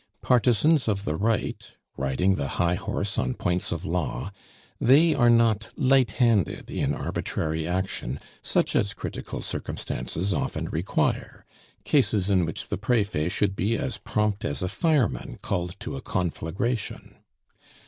Partisans of the right, riding the high horse on points of law, they are not light handed in arbitary action such as critical circumstances often require; cases in which the Prefet should be as prompt as a fireman called to a conflagration.